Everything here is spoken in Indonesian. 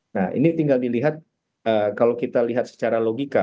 nah ini tinggal dilihat kalau kita lihat secara logika